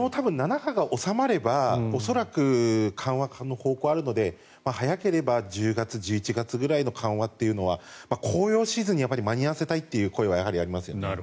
７波が収まれば緩和の方向はあるので早ければ１０月、１１月くらいの緩和は紅葉シーズンに間に合わせたいという声はありますよね。